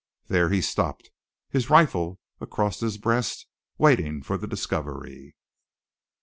There he stopped, his rifle across his breast, waiting for the discovery.